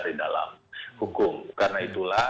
di dalam hukum karena itulah